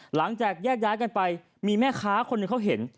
หลังจากแยกย้ายกันไปมีแม่ค้าคนหนึ่งเขาเห็น